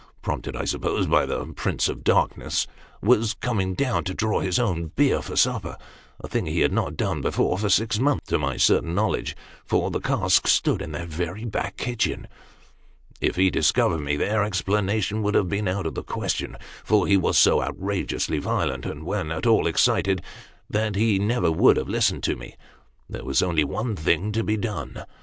prompted I suppose by the prince of darkness, was coming down, to draw his own beer for supper a thing he had not done before, for six months, to my certain know ledge ; for the cask stood in that very back kitchen. If he discovered me there, explanation would have been out of the question ; for ho was so outrageously violent, when at all excited, that he never would have listened to me. There was only one thing to be done.